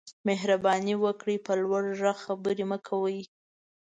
مهرباني وکړئ په لوړ غږ خبرې مه کوئ